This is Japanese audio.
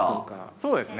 そうですね。